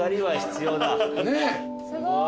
すごい。